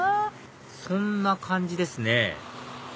そんな感じですね